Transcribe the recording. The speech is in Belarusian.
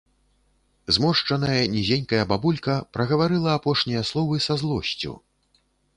Зморшчаная, нізенькая бабулька прагаварыла апошнія словы са злосцю.